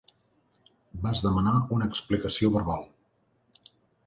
Vas demanar una explicació verbal.